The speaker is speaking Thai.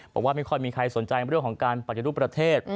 บอกว่าไม่ค่อยมีใครสนใจเรื่องของการปฏิรูปประเทศ